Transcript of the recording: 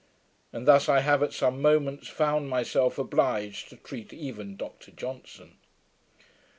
And thus I have, at some moments, found myself obliged to treat even Dr Johnson.